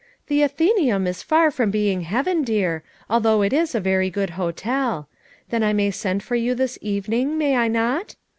"The Atheneum is far from being heaven, dear, al though it is a very good hotel. Then I may send for you this evening, may I not?